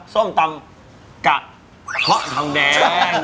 ส้มตำกะลบทางแดง